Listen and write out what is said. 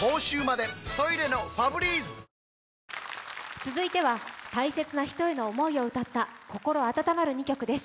続いては大切な人への思いを歌った心温まる２曲です。